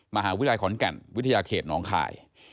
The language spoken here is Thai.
มหาวิทยาลัยขอนแก่นวิทยาเขตน้องคาย